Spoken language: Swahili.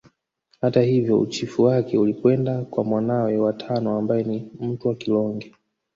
Hata hivyo uchifu wake ulikwenda kwa mwanawe wa tano ambaye ni Mtwa Kilonge